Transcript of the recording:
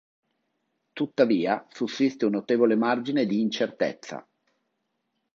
Tuttavia sussiste un notevole margine di incertezza.